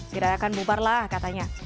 tidak akan bubar lah katanya